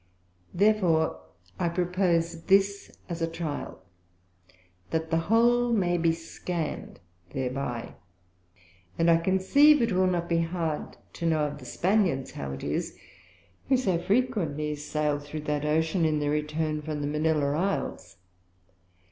Therefore I propose this as a Trial, that the whole may be scann'd thereby; and I conceive it will not be hard to know of the Spaniards how it is, who so frequently sail through that Ocean, in their return from the Manilha Isles.